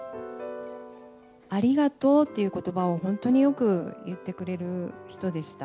ありがとうっていうことばを、本当によく言ってくれる人でした。